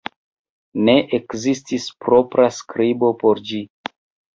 Ne ekzistis propra skribo por ĝi.